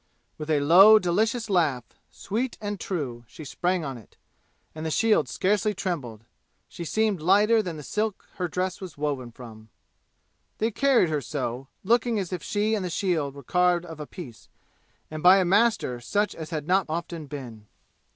With a low delicious laugh, sweet and true, she sprang on it, and the shield scarcely trembled; she seemed lighter than the silk her dress was woven from! They carried her so, looking as if she and the shield were carved of a piece, and by a master such as has not often been.